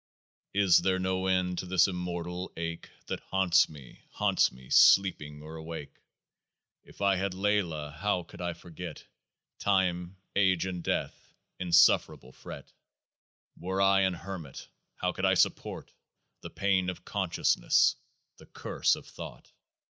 Is there no end to this immortal ache That haunts me, haunts me sleeping or awake? If I had Laylah, how could I forget Time, Age, and Death? Insufferable fret ! Were I an hermit, how could I support The pain of consciousness, the curse of thought?